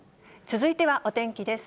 続いてはお天気です。